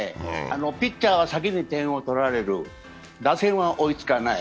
ピッチャーは先に点を取られる、打線は追いつかない。